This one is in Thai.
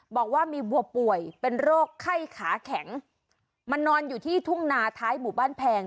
บอกว่ามีวัวป่วยเป็นโรคไข้ขาแข็งมานอนอยู่ที่ทุ่งนาท้ายหมู่บ้านแพง